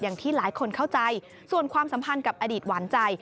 อย่างที่หลายคนเข้าใจส่วนความสัมพันธ์กับอดีตหวานใจ